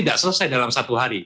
tidak selesai dalam satu hari